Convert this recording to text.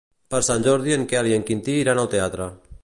Per Sant Jordi en Quel i en Quintí iran al teatre.